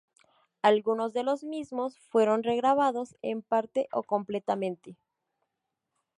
Algunos de los mismos fueron regrabados en parte o completamente.